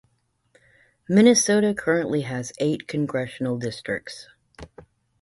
Minnesota currently has eight congressional districts.